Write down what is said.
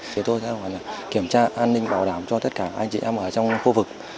thì tôi sẽ kiểm tra an ninh bảo đảm cho tất cả anh chị em ở trong khu vực